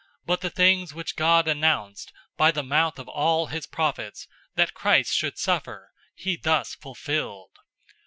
003:018 But the things which God announced by the mouth of all his prophets, that Christ should suffer, he thus fulfilled.